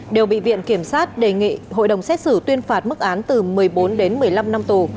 đều bị viện kiểm sát đề nghị hội đồng xét xử tuyên phạt mức án từ một mươi bốn đến một mươi năm năm tù